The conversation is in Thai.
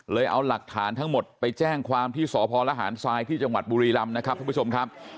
เอาหลักฐานทั้งหมดไปแจ้งความที่สพลหารทรายที่จังหวัดบุรีรำนะครับท่านผู้ชมครับ